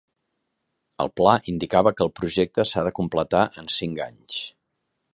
El pla indicava que el projecte s'ha de completar en cinc anys.